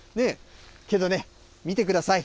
けどね、見てください。